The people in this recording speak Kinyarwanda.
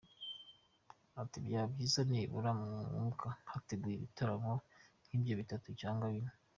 Ati “Byaba byiza nibura mu mwaka hateguwe ibitaramo nk’ibyo bitatu cyangwa bine”.